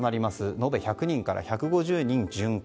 延べ１００人から１５０人巡回。